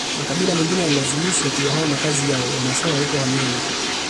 Makabila mengine yalilazimishwa kuyahama makazi yao Wamasai walipohamia huko